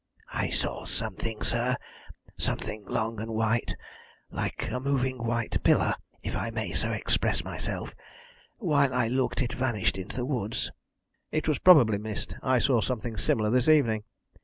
"I saw something, sir something long and white like a moving white pillar, if I may so express myself. While I looked it vanished into the woods." "It was probably mist. I saw something similar this evening!"